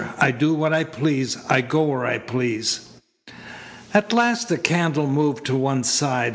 I do what I please. I go where I please." At last the candle moved to one side.